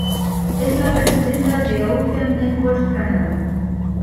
Es la presidenta de Ocean Networks Canada.